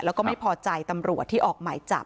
แล้วก็ไม่พอใจตำรวจที่ออกหมายจับ